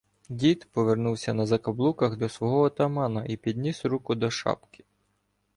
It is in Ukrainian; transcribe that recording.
Дід повернувся на закаблуках до свого отамана і підніс руку до шапки.